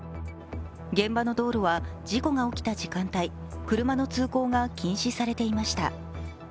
現場の道路は事故が起きた時間帯、車の通行が禁止されていました。